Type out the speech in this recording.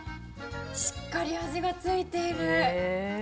しっかり味がついている。